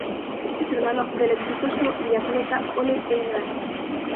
Es hermano del exitoso biatleta Ole Einar.